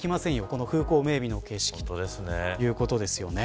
この風光明媚な景色ということです。